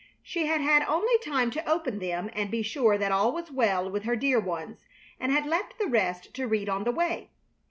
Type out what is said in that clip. She had had only time to open them and be sure that all was well with her dear ones, and had left the rest to read on the way.